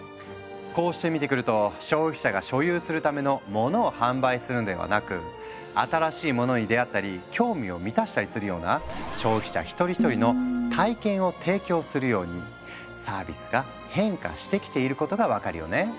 こうして見てくると消費者が所有するための「モノ」を販売するんではなく新しいものに出会ったり興味を満たしたりするような消費者一人一人の「体験」を提供するようにサービスが変化してきていることが分かるよね。